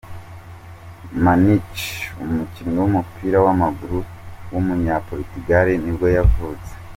Maniche, umukinnyi w’umupira w’amaguru w’umunya-Portugal nibwo yavutse.